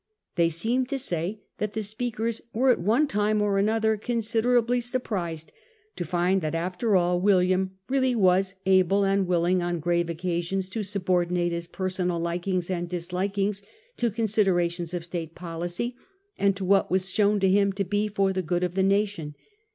They seem to say that the speakers were at one time or another considerably surprised to find that after all William really was able and willing on grave occasions to subordinate his personal likings and dislikings to considerations of State policy, and to what was shown to him to be for the good of the nation.